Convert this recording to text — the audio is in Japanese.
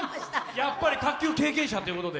やっぱり卓球経験者ということで？